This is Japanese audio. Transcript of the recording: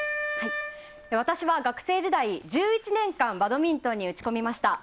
私は学生時代１１年間バドミントンに打ち込みました。